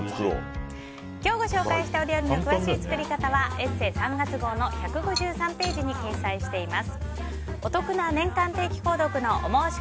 今日ご紹介したお料理の詳しい作り方は「ＥＳＳＥ」３月号の１５３ページに掲載しています。